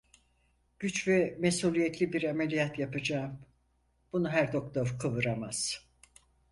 Güç ve mesuliyetli bir ameliyat yapacağım. Bunu her doktor kıvıramaz.